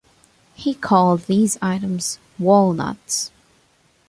He called these items "wallnuts".